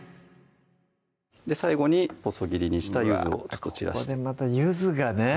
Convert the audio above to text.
最後に細切りにした柚子を散らしてここでまた柚子がね